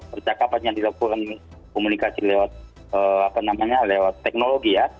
percakapan yang dilakukan komunikasi lewat teknologi ya